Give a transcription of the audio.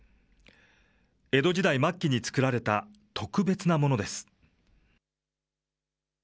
江戸時代末期に作られた特別なものです。